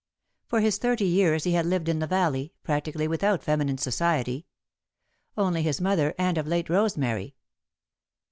For his thirty years he had lived in the valley, practically without feminine society. Only his mother, and, of late, Rosemary.